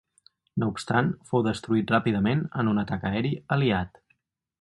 No obstant, fou destruït ràpidament en un atac aeri aliat.